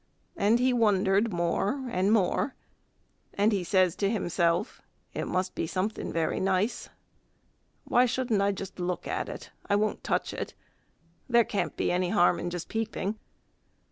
And he wondered more and more, and he says to himself, "It must be something very nice. Why shouldn't I just look at it? I won't touch it. There can't be any harm in just peeping."